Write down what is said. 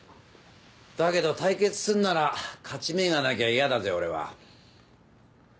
だけど対決するなら勝ち目がなきゃ嫌だぜ俺は。